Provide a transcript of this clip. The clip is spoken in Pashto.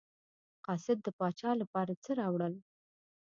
قاصد د پاچا لپاره څه راوړل.